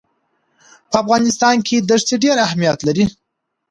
په افغانستان کې دښتې ډېر اهمیت لري.